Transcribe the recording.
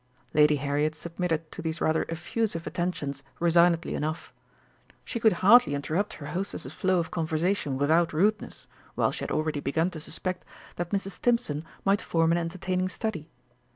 Lady Harriet submitted to these rather effusive attentions resignedly enough. She could hardly interrupt her hostess's flow of conversation without rudeness, while she had already begun to suspect that Mrs. Stimpson might form an entertaining study.